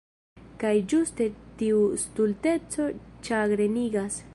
Kaj ĝuste tiu stulteco ĉagrenigas.